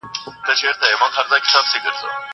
زه هره ورځ ليکنه کوم!